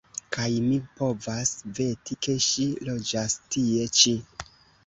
Kaj mi povas veti, ke ŝi loĝas tie ĉi!